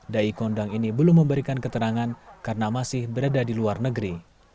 dai kondang ini belum memberikan keterangan karena masih berada di luar negeri